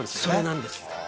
それなんです